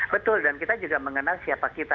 betul dan kita juga mengenal siapa kita